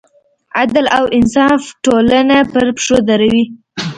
عدل او انصاف ټولنه پر پښو دروي.